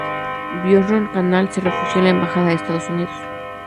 Boisrond-Canal se refugió en la embajada de Estados Unidos.